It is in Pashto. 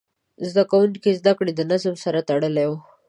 د زده کوونکو زده کړه د نظم سره تړلې وه.